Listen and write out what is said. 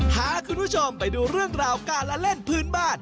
พาคุณผู้ชมไปดูเรื่องราวการละเล่นพื้นบ้าน